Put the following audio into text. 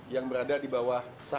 yang berada di bawah satu